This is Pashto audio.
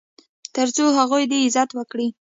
تر څو هغه دې عزت وکړي .